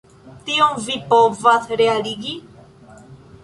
Tion vi povas realigi.